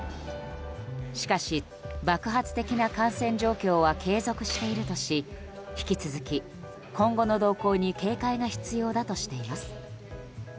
しかし、爆発的な感染状況は継続しているとし引き続き、今後の動向に警戒が必要だとしています。